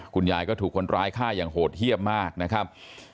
คุณยายก็ถูกคนร้ายฆ่าอย่างโหดเยี่ยมมากนะครับ